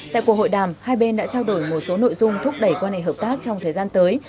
tại cuộc hội đàm hai bên đã trao đổi một số nội dung thúc đẩy quan hệ hợp tác trong thời gian tới